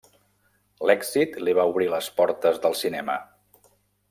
L'èxit li va obrir les portes del cinema.